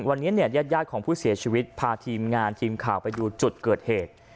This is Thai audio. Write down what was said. วันนี้เนี่ยญาติของผู้เสียชีวิตพาทีมงานทีมข่าวไปดูจุดเกิดเหตุ